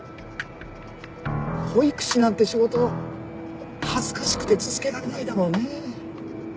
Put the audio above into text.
保育士なんて仕事恥ずかしくて続けられないだろうねえ。